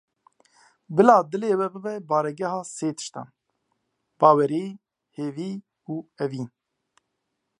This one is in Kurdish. Bila dilê we bibe baregeha sê tiştan; bawerî, hêvî û evîn.